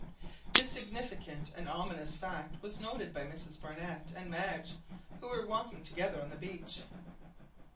This significant and ominous fact was noticed by Mrs Barnett and Madge, who were walking together on the beach.